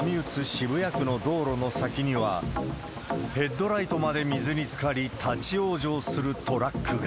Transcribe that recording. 渋谷区の道路の先には、ヘッドライトまで水につかり、立往生するトラックが。